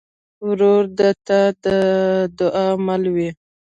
ورور د تا د دعا مل وي.